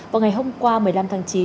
vào ngày hôm qua một mươi năm tháng chín